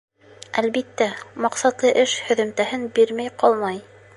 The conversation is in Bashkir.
Әлбиттә, маҡсатлы эш һөҙөмтәһен бирмәй ҡалмай.